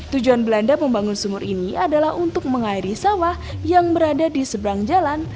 tujuan belanda membangun sumur ini adalah untuk mengairi sawah yang berada di seberang jalan